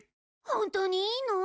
本当にいいの？